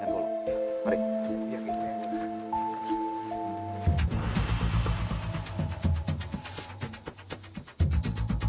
aku sudah berhenti